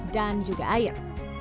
dan juga air